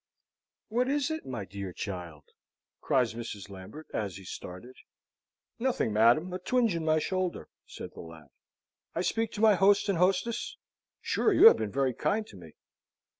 "What is it, my dear child?" cries kind Mrs. Lambert, as he started. "Nothing, madam; a twinge in my shoulder," said the lad. "I speak to my host and hostess? Sure you have been very kind to me."